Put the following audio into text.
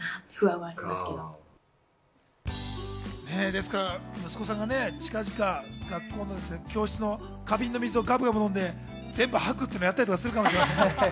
ですから、息子さんが近々学校の教室の花瓶の水をがぶがぶ飲んで、全部吐くっていうのをやったりするかもしれませんね。